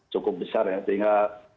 cukup besar sehingga